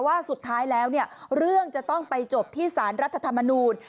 ว่าสุดท้ายแล้วเรื่องจะต้องไปจบที่สารรัฐธรรมนูญ